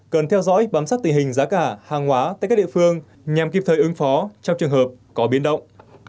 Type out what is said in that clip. cần theo dõi bám sát tình hình giá cả hàng hóa tại các địa phương nhằm kịp thời ứng phó trong trường hợp có biến động